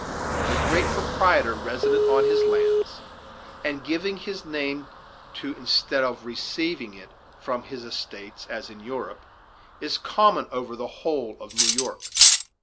The great proprietor resident on his lands, and giving his name to instead of receiving it from his estates as in Europe, is common over the whole of New York.